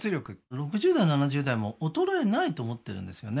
６０代７０代も衰えないと思ってるんですよね